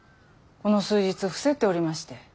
この数日伏せっておりまして。